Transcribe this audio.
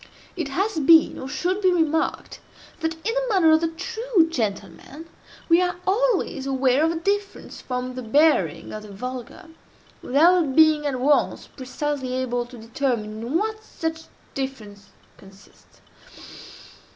'" It has been, or should be remarked, that, in the manner of the true gentleman, we are always aware of a difference from the bearing of the vulgar, without being at once precisely able to determine in what such difference consists.